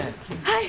はい！